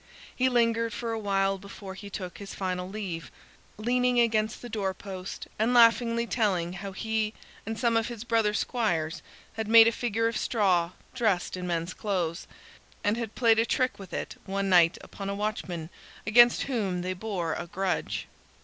He lingered for a while before he took his final leave, leaning against the door post, and laughingly telling how he and some of his brother squires had made a figure of straw dressed in men's clothes, and had played a trick with it one night upon a watchman against whom they bore a grudge.